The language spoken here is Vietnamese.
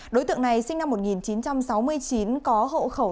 đối tượng này sinh năm một nghìn chín trăm sáu mươi chín có hộ khẩu